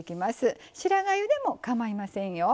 白がゆでもかまいませんよ。